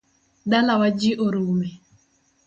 Dalawa ji orume